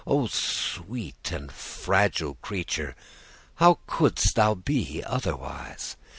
O sweet and fragile creature! how couldst thou be otherwise?